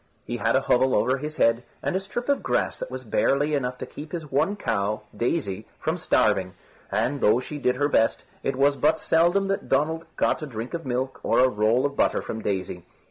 He had a hovel over his head and a strip of grass that was barely enough to keep his one cow, Daisy, from starving, and, though she did her best, it was but seldom that Donald got a drink of milk or a roll of butter from Daisy.